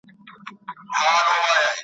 چي د رنځ په کړاو نه وي پوهېدلي ,